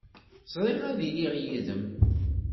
Sriɣ ad iliɣ yid-m.